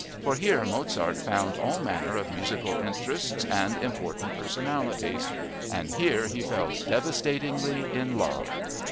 For here Mozart found all manner of musical interests and important personalities. And here he fell devastatingly in love!